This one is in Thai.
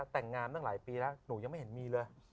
แต่งงามก็ไม่์เห็นมีเลย